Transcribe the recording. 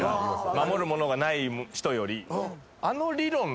守るものがない人より。